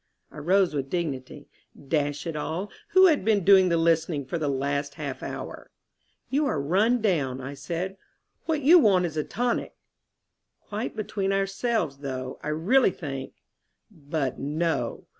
I rose with dignity. Dash it all, who had been doing the listening for the last half hour? "You are run down," I said. "What you want is a tonic." Quite between ourselves, though, I really think But no.